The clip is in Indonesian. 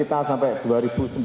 jangan sampai ke today monde